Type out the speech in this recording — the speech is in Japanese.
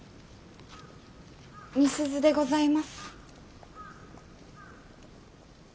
美鈴でございます。